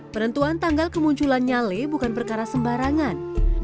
penentuan tanggal kemunculan nyale bukan perkara sembarangan